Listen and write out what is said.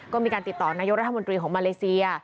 ก็มีการติดต่อนายกรัฐมนตรีของมาเลเซีย